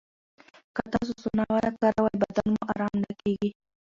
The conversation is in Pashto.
که تاسو سونا ونه کاروئ، بدن مو ارام نه کېږي.